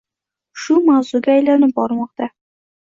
Shu mavzuga aylanib bormoqda.